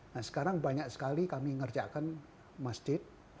nah sekarang banyak sekali kami ngerjakan masjid